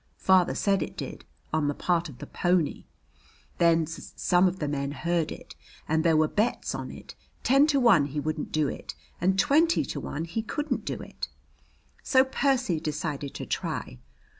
Father said it did on the part of the pony. Then s some of the men heard of it, and there were bets on it ten to one he wouldn't do it and twenty to one he couldn't do it. So Percy decided to try.